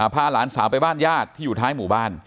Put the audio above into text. พาหลานสาวไปบ้านญาติที่อยู่ท้ายหมู่บ้าน